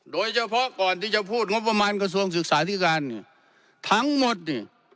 โดยเฉพาะก่อนที่จะพูดงบประมาณกระทรวงศึกษาธิการเนี่ยทั้งหมดเนี่ย